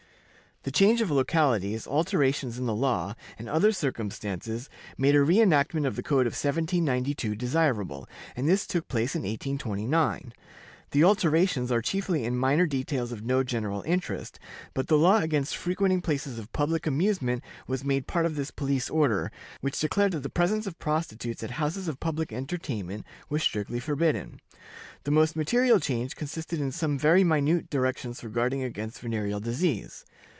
The change of localities, alterations in the law, and other circumstances, made a re enactment of the code of 1792 desirable, and this took place in 1829. The alterations are chiefly in minor details of no general interest, but the law against frequenting places of public amusement was made part of this police order, which declared that the presence of prostitutes at houses of public entertainment was strictly forbidden. The most material change consisted in some very minute directions for guarding against venereal disease.